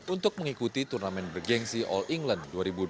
untuk mengikuti turnamen bergensi all england dua ribu dua puluh